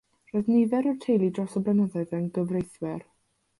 Roedd nifer o'r teulu dros y blynyddoedd yn gyfreithwyr.